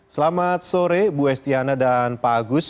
selamat sore bu estiana dan pak agus